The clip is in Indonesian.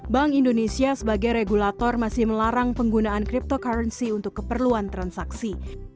bank indonesia sebagai regulator masih melarang penggunaan cryptocurrency untuk keperluan transaksi